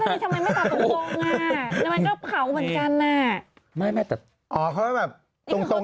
ทำไมไม่ตรงอ่ะง่ายมันก็เขาเหมือนกันอ่ะ